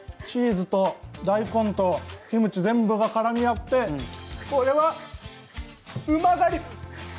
チーズと大根とキムチ全部が絡み合って、これは、うまがり。